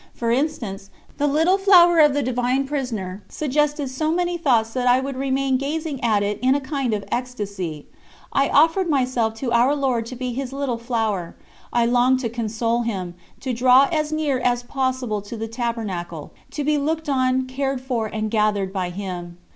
For instance, "The Little Flower of the Divine Prisoner" suggested so many thoughts that I would remain gazing at it in a kind of ecstasy. I offered myself to Our Lord to be His Little Flower; I longed to console Him, to draw as near as possible to the Tabernacle, to be looked on, cared for, and gathered by Him.